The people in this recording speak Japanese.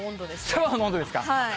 シャワーの温度ですか。